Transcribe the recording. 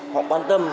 họ bán tâm